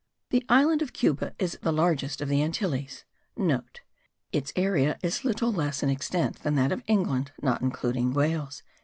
The island of Cuba is the largest of the Antilles.* (* Its area is little less in extent than that of England not including Wales.)